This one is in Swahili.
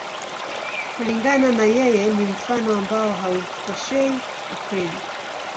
Kulingana na yeye, ni mfano ambao hautoshei ukweli.